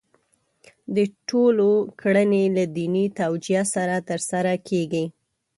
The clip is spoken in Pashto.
د ټولو کړنې له دیني توجیه سره ترسره کېږي.